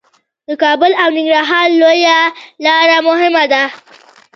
د کابل او کندهار لویه لار مهمه ده